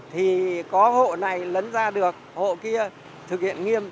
thì có hộ này lấn ra được hộ kia thực hiện nghiêm